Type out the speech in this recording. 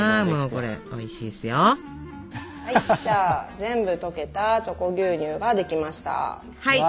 はい全部とけた「チョコ牛乳」ができました。